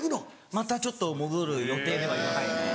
またちょっと戻る予定ではいますね。